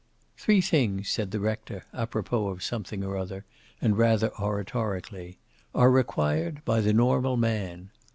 "Three things," said the rector, apropos of something or other, and rather oratorically, "are required by the normal man.